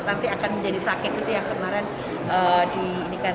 nanti akan menjadi sakit itu yang kemarin diinginkan